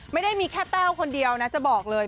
ไม่ได้มีแค่แต้วคนเดียวนะจะบอกเลย